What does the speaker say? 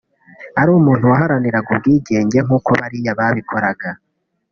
ari umuntu waharaniraga ubwigenge nk’uko bariya babikoraga